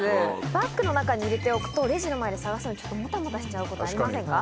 バッグの中に入れておくとレジの前で捜すのちょっともたもたしちゃうことありませんか？